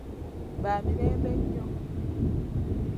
Baamirembe nnyo.